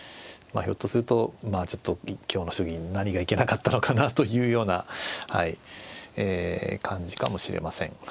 ひょっとするとちょっと今日の将棋何がいけなかったのかなというような感じかもしれません。